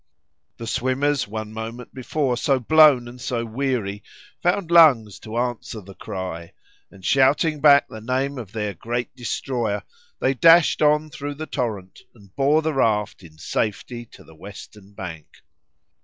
The swimmers, one moment before so blown and so weary, found lungs to answer the cry, and shouting back the name of their great destroyer, they dashed on through the torrent, and bore the raft in safety to the western bank.